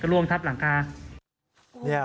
เหลวงทับหลังคา